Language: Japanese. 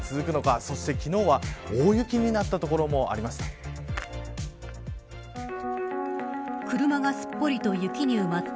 そして昨日は、大雪になった所もありました。